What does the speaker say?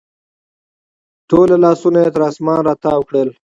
ټوله لاسونه یې تر اسمان راتاو کړل